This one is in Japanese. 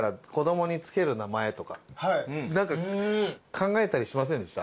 考えたりしませんでした？